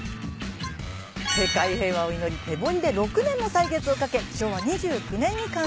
世界平和を祈り手彫りで６年の歳月をかけ昭和２９年に完成。